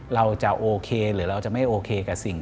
เราจะโอเคหรือเราจะไม่โอเคกับสิ่ง